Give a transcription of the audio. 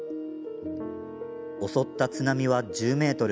襲った津波は１０ｍ。